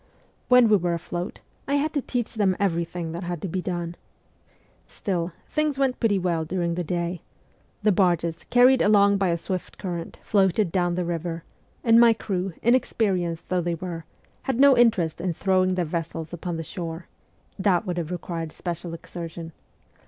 When we were afloat, I had to teach them everything that had to be done. Still, things went pretty well during the day ; the barges, carried along by a swift current, floated down the river, and my crew, inexpe rienced though they were, had no interest in throwing their vessels upon the shore that would have required special exertion.